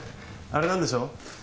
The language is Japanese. あれなんでしょ？